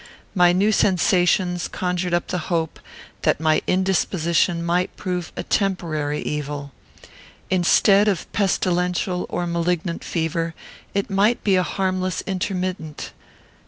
My new sensations conjured up the hope that my indisposition might prove a temporary evil. Instead of pestilential or malignant fever, it might be a harmless intermittent.